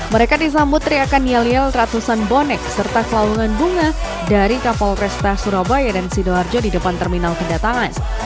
mereka disambut teriakan yal yal ratusan bonek serta kelaungan bunga dari kapal prestasi surabaya dan sidoarjo di depan terminal kedatangan